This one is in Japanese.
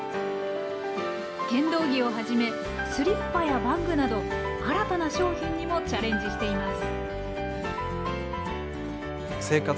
剣道着をはじめスリッパやバッグなど新たな商品にもチャレンジしています。